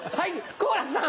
好楽さん。